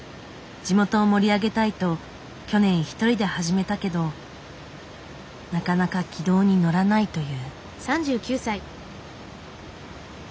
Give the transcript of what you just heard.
地元を盛り上げたいと去年一人で始めたけどなかなか軌道に乗らないという。